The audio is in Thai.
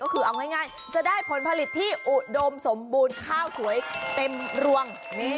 ก็คือเอาง่ายจะได้ผลผลิตที่อุดมสมบูรณ์ข้าวสวยเต็มรวง